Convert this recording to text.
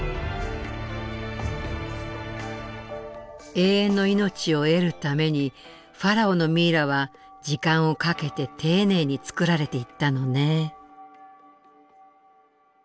永遠の命を得るためにファラオのミイラは時間をかけて丁寧につくられていったのね。